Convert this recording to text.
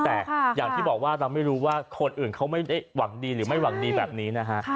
แต่อย่างที่บอกว่าเราไม่รู้ว่าคนอื่นเขาไม่ได้หวังดีหรือไม่หวังดีแบบนี้นะฮะ